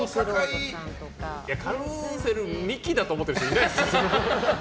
カルーセルみきだと思ってる人いないですよ。